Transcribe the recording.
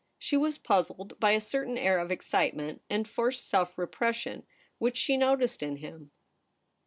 She was puzzled by a certain air of excitement and forced self repression which she noticed in him.